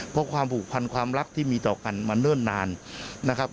เพราะความผูกพันความรักที่มีต่อกันมาเนิ่นนานนะครับ